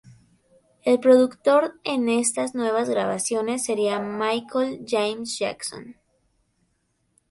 El productor en estas nuevas grabaciones sería Michael James Jackson.